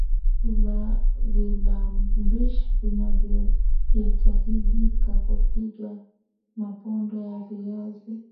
Viambaupishi wavianvyohitajika kupika mapondo ya viazi